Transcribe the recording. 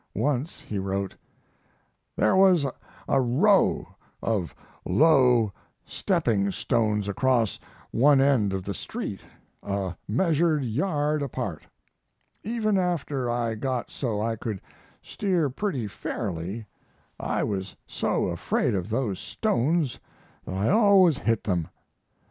Once he wrote: There was a row of low stepping stones across one end of the street, a measured yard apart. Even after I got so I could steer pretty fairly I was so afraid of those stones that I always hit them.